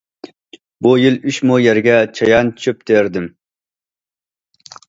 بۇ يىل ئۈچ مو يەرگە چايان چۆپ تېرىدىم.